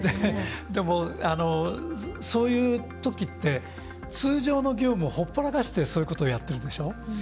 でも、そういうときって通常の業務をほっぽらかしてそういうこと、やってるでしょ。